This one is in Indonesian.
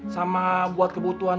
sama buat kebutuhan